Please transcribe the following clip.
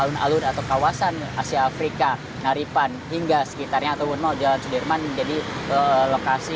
lalu atau kawasan asia afrika naripan hingga sekitarnya atau mau jalan sudirman jadi lokasi